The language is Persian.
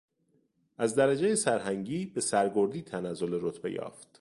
از درجهی سرهنگی به سرگردی تنزل رتبه یافت.